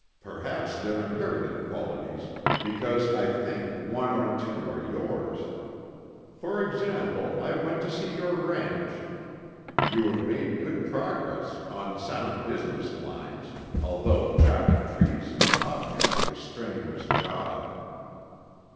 Perhaps they're inherited qualities, because I think one or two are yours. For example, I went to see your ranch. You have made good progress, on sound business lines, although chopping trees is obviously a strenuous job."